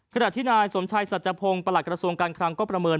ขณะที่นายสมชัยสัจพงศ์ประหลักกระทรวงการคลังก็ประเมิน